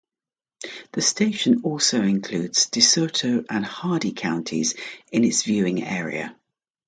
The station also includes DeSoto and Hardee counties in its viewing area.